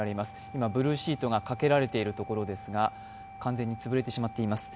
今、ブルーシートがかけられているところですが、完全に潰れてしまっています。